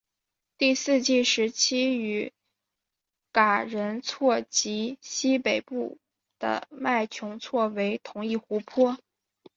第四纪时期与嘎仁错及西北部的麦穷错为同一湖泊。